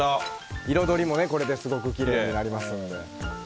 彩りもこれできれいになりますので。